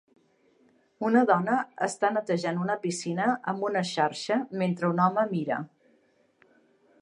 Un dona està netejant una piscina amb una xarxa mentre un home mira.